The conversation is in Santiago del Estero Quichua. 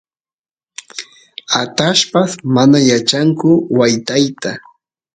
atallpas mana yachanku wytayta